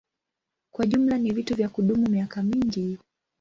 Kwa jumla ni vitu vya kudumu miaka mingi.